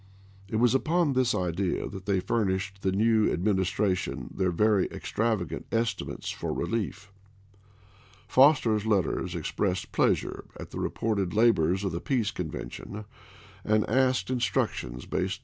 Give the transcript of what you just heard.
It was upon this idea that they furnished the new Administration their very extravagant estimates for relief. Foster's Foster to letters expressed pleasure at the reported labors of Mar.f!^imi. the Peace Convention, and asked instructions based i.